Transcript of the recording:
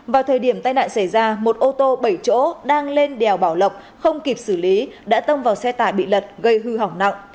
vào thời điểm tai nạn xảy ra một ô tô bảy chỗ đang lên đèo bảo lộc không kịp xử lý đã tông vào xe tải bị lật gây hư hỏng nặng